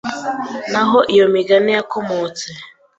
naho iyo migani yakomotse